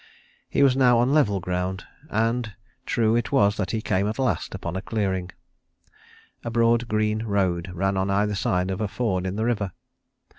He was now on level ground, and true it was that he came at last upon a clearing. A broad green road ran on either side of a ford in the river.